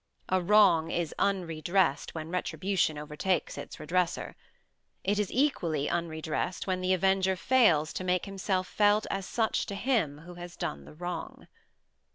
A wrong is unredressed when retribution overtakes its redresser. It is equally unredressed when the avenger fails to make himself felt as such to him who has done the wrong.